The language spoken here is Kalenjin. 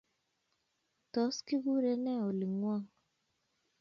Tos kikurei ne oling'wong'?